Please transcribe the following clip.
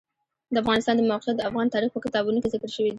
د افغانستان د موقعیت د افغان تاریخ په کتابونو کې ذکر شوی دي.